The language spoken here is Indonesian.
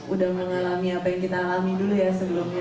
udah mengalami apa yang kita alami dulu ya sebelumnya